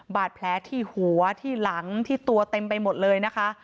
บาดแผลที่หัวที่หลังที่ตัวเต็มไปหมดเลยนะคะ